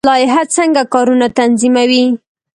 لایحه څنګه کارونه تنظیموي؟